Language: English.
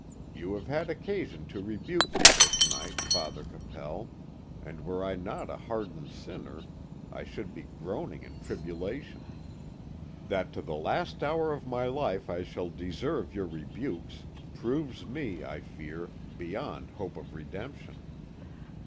You have had occasion to rebuke me, this night, Father Capel, and were I not a hardened sinner I should be groaning in tribulation. That to the last hour of my life I shall deserve your rebukes, proves me, I fear, beyond hope of redemption.